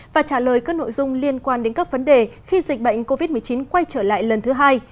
và trả lời các nội dung liên quan đến các vấn đề khi dịch bệnh covid một mươi chín quay trở lại lần thứ hai